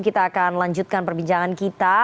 kita akan lanjutkan perbincangan kita